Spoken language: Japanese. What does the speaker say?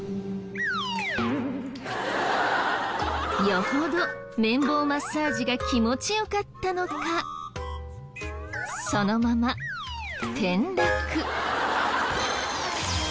よほど綿棒マッサージが気持ちよかったのかそのまま転落。